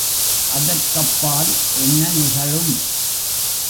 அதற்கப்பால் என்ன நிகழும்?